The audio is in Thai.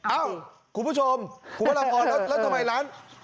เอ้าคุณผู้ชมคุณพระราพรแล้วทำไมร้าน